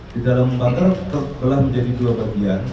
di dalam kantor telah menjadi dua bagian